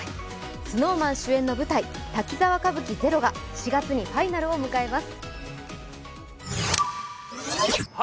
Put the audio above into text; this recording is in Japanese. ＳｎｏｗＭａｎ主演の舞台、「滝沢歌舞伎ＺＥＲＯＦＩＮＡＬ」が４月にファイナルを迎えます。